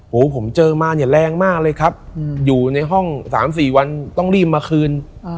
โอ้โหผมเจอมาเนี่ยแรงมากเลยครับอยู่ในห้อง๓๔วันต้องรีบมาคืน